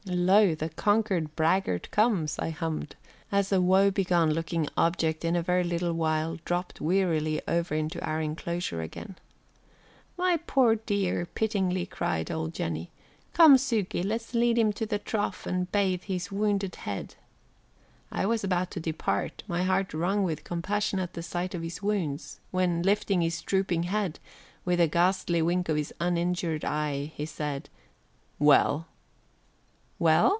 "Lo, the conquered braggart comes," I hummed, as a woebegone looking object in a very little while dropped wearily over into our enclosure again. "My poor dear," pityingly cried old Jennie. "Come, Sukey, let's lead him to the trough and bathe his wounded head." I was about to depart, my heart wrung with compassion at the sight of his wounds, when, lifting his drooping head, with a ghastly wink of his uninjured eye, he said: "Well!" "Well!"